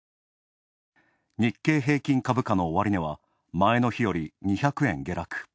日経平均株価の終値は、前の日より２００円下落。